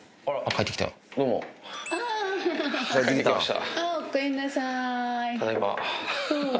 帰ってきました。